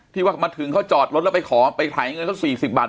ที่ว่ามาถึงเขาจอดรถแล้วไปขอไปถ่ายเงินสัก๔๐บาท